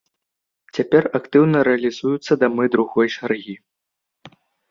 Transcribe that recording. Цяпер актыўна рэалізуюцца дамы другой чаргі.